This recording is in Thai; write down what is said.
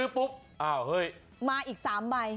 พอที่คือปุ๊บ